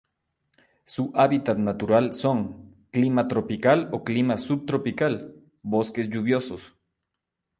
Su hábitat natural son: Clima tropical o Clima subtropical, bosques lluviosos.